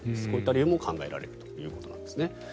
こういった理由も考えられるということなんです。